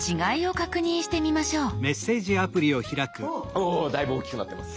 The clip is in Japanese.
おだいぶおっきくなってます。